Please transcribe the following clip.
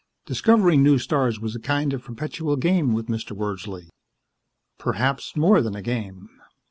Discovering new stars was a kind of perpetual game with Mr. Wordsley. Perhaps more than a game.